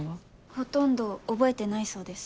ほとんど覚えてないそうです。